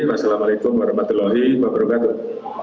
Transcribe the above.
wassalamu'alaikum warahmatullahi wabarakatuh